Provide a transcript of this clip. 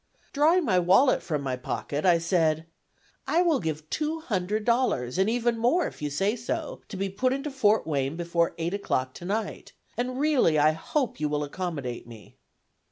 Drawing my wallet from my pocket, I said: "I will give two hundred dollars, and even more, if you say so, to be put into Fort Wayne before eight o'clock to night; and, really, I hope you will accommodate me."